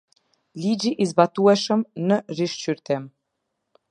Ligji i zbatueshëm në rishqyrtim.